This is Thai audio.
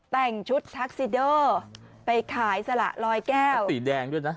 แต่งชุดทักซิเดอร์ไปขายสละลอยแก้วสีแดงด้วยนะ